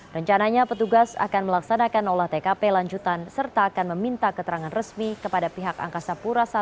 rencananya petugas akan melaksanakan olah tkp lanjutan serta akan meminta keterangan resmi kepada pihak angkasa pura i